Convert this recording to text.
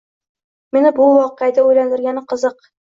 Meni bu voqeada oʻylantirgani qiziq